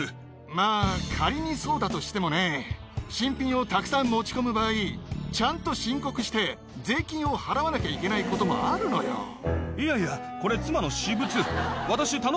まあ、仮にそうだとしてもね、新品をたくさん持ち込む場合、ちゃんと申告して、税金を払わないやいや、これ妻の私物。